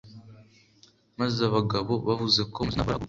Maze abagabo bavuze mu mazina barahaguruka